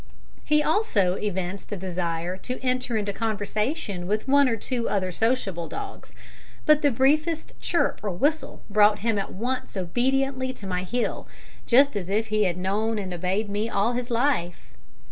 He also evinced a desire to enter into conversation with one or two other sociable dogs, but the briefest chirp or whistle brought him at once obediently to my heel, just as if he had known and obeyed me all his life.